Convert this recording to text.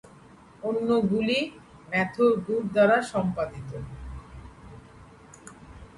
অন্যগুলি Matthew Good দ্বারা সম্পাদিত।